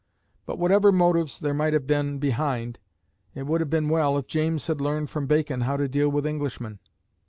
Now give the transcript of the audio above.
But whatever motives there might have been behind, it would have been well if James had learned from Bacon how to deal with Englishmen.